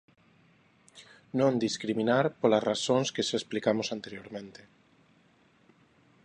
Non discriminar polas razóns que xa explicamos anteriormente.